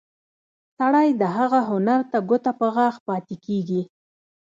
سړی د هغه هنر ته ګوته په غاښ پاتې کېږي.